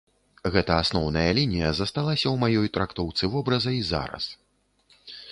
Гэта асноўная лінія засталася ў маёй трактоўцы вобраза і зараз.